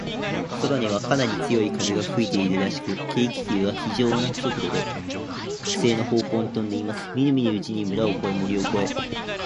空には、かなり強い風が吹いているらしく、軽気球は、ひじょうな速度で、北西の方向にとんでいます。みるみるうちに村を越え、森を越え、